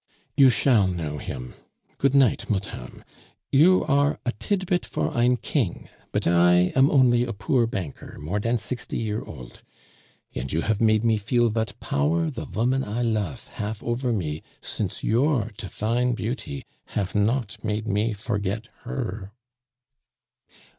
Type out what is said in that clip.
"You shall know him. Goot night, motame. You are a tidbit for ein king; but I am only a poor banker more dan sixty year olt, and you hafe made me feel vat power the voman I lofe hafe ofer me since your difine beauty hafe not make me forget her."